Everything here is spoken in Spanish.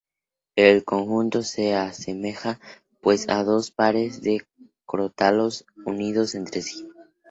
El conjunto se asemeja, pues, a dos pares de crótalos unidos entre sí.